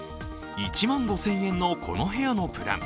１万５０００円のこの部屋のプラン。